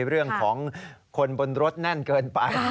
เรื่องของคนบนรถแน่นเกินไป